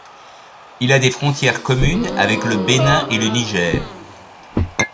Il a des frontières communes avec le Bénin et le Niger.